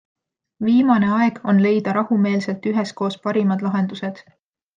Viimane aeg on leida rahumeelselt üheskoos parimad lahendused!